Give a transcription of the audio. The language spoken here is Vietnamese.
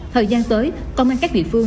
thời gian tới công an các địa phương